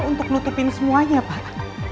untuk menutupi semuanya pak